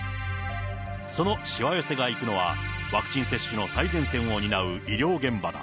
そのしわ寄せが行くのは、ワクチン接種の最前線を担う医療現場だ。